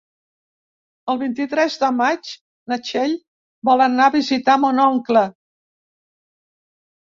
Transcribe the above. El vint-i-tres de maig na Txell vol anar a visitar mon oncle.